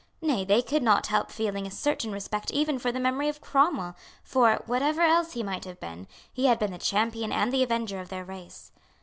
Nay, they could not help feeling a certain respect even for the memory of Cromwell; for, whatever else he might have been, he had been the champion and the avenger of their race.